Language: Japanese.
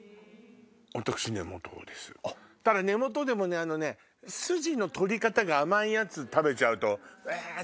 ただ根元でも筋の取り方が甘いやつ食べちゃうと。